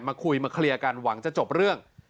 คุยมาเคลียร์กันหวังจะจบเรื่อง